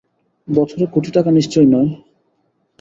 বছরে কোটি টাকা নিশ্চয়ই নয়!